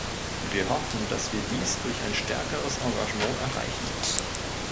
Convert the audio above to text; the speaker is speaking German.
Wir hoffen, dass wir dies durch ein stärkeres Engagement erreichen.